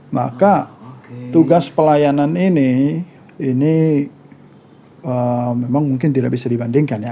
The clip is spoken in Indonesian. maka tugas pelayanan ini ini memang mungkin tidak bisa dibandingkan ya